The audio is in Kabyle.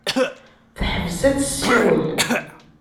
Teḥbes ad tessiwel.